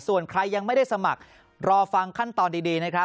ส่วนใครยังไม่ได้สมัครรอฟังขั้นตอนดีนะครับ